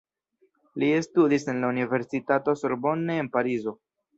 Li studis en la Universitato Sorbonne en Parizo.